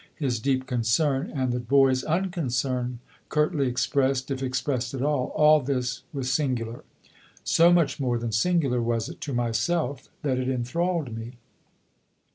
his deep concern and the boy's unconcern, curtly expressed, if expressed at all all this was singular. So much more than singular was it to myself that it enthralled me.